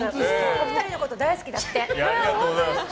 ２人のこと、大好きだって。